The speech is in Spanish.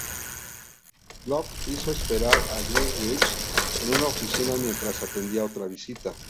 Gluck hizo esperar a Greenwich en una oficina mientras atendía otra visita.